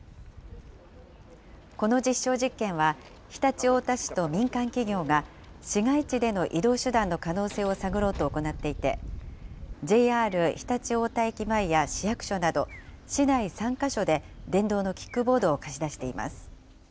この実証実験は、常陸太田市と民間企業が、市街地での移動手段の可能性を探ろうと行っていて、ＪＲ常陸太田駅前や市役所など市内３か所で電動のキックボードを貸し出しています。